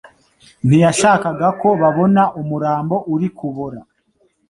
Ntiyashakaga ko babona umurambo uri kubora.